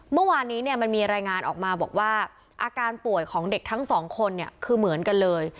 เมื่อวานนี้เนี่ยมันมีรายงานออกมาบอกว่าอาการป่วยของเด็กทั้งสองคนเนี่ยคือเหมือนกันเลย